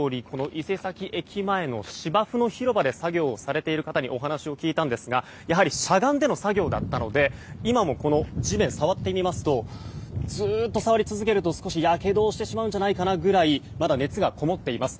伊勢崎駅前の芝生の広場で作業をされている方にお話を聞いたんですがやはりしゃがんでの作業だったので、今もこの地面触ってみますとずっと触り続けると少しやけどをしてしまうぐらいまだ熱がこもっています。